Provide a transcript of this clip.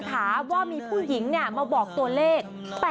ถามว่ามีผู้หญิงมาบอกตัวเลข